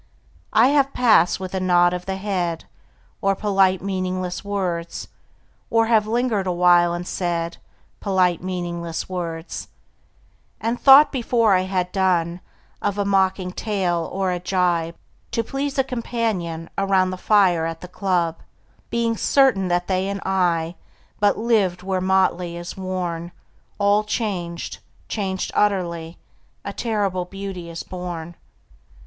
I have passed with a nod of the head Or polite meaningless words, Or have lingered awhile and said Polite meaningless words, And thought before I had done Of a mocking tale or a gibe To please a companion Around the fire at the club, Being certain that they and I But lived where motley is worn: All changed, changed utterly: A terrible beauty is born.